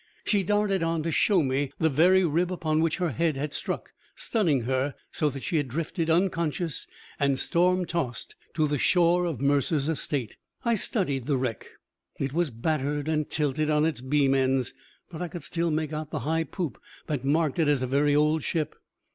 She darted on to show me the very rib upon which her head had struck, stunning her so that she had drifted, unconscious and storm tossed, to the shore of Mercer's estate. I studied the wreck. It was battered and tilted on its beam ends, but I could still make out the high poop that marked it as a very old ship.